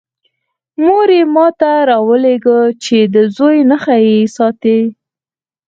مور یې ما ته راولېږه چې د زوی نښه یې ساتی.